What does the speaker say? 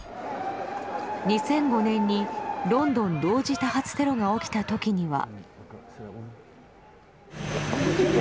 ２００５年にロンドン同時多発テロが起きた時には。